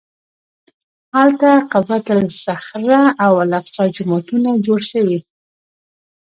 هلته قبة الصخره او الاقصی جوماتونه جوړ شوي.